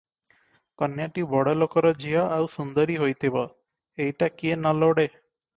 କନ୍ୟାଟି ବଡ଼ ଲୋକର ଝିଅ, ଆଉ ସୁନ୍ଦରୀ ହୋଇଥିବ, ଏଇଟା କିଏ ନ ଲୋଡ଼େ?